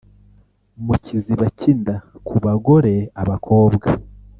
mu kiziba cy’inda ku bagore-abakobwa